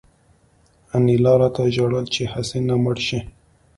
انیلا راته ژړل چې هسې نه مړ شې